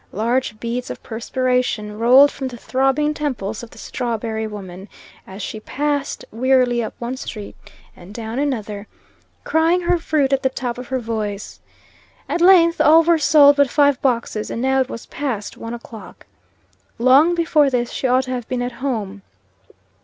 Large beads of perspiration rolled from the throbbing temples of the strawberry woman, as she passed wearily up one street and down another, crying her fruit at the top of her voice. At length all were sold but five boxes, and now it was past one o'clock. Long before this she ought to have been at home.